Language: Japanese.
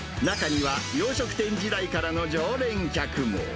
中には、洋食店時代からの常連客も。